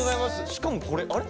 しかもこれあれ？